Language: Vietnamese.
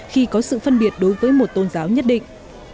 khi có sự phân biệt đối với một tôn giáo nhất định